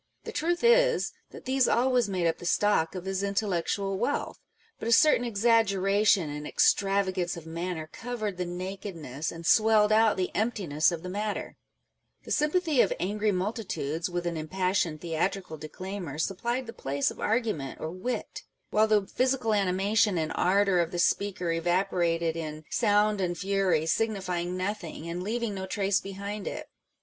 The truth is, that these always made up the stock of his intellectual wealth ; but a certain exaggeration and extravagance of manner covered the nakedness and swelled out the emptiness of the matter : the sympathy of angry multitudes with an impassioned theatrical declaimer supplied the place of argument or wit ; while the physical animation and ardour of the speaker evaporated in " sound and fury, signifying no thing," and leaving no trace behind it.